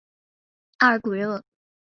阿尔古热。